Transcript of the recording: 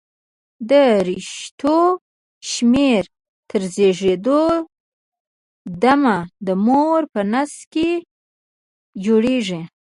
د رشتو شمېر تر زېږېدو د مه د مور په نس کې جوړېږي.